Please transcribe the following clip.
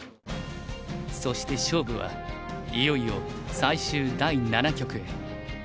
そして勝負はいよいよ最終第七局へ。